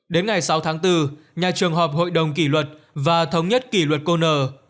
đến ngày sáu tháng bốn nhà trường họp hội đồng kỷ luật và thống nhất kỷ luật cô n